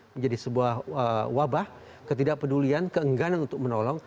menjadi sebuah wabah ketidakpedulian keengganan untuk menolong